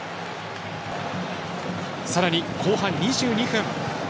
さらに後半２２分。